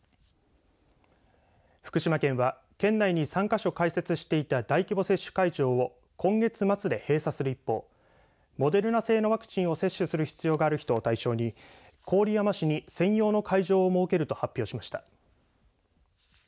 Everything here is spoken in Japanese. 福島県は県内に３か所開設していた大規模接種会場を今月末で閉鎖する一方モデルナ製のワクチンを接種する必要がある人を対象に郡山市に専用の会場を設けると発表しました。